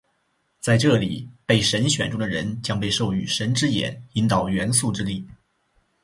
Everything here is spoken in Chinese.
在这里，被神选中的人将被授予「神之眼」，引导元素之力。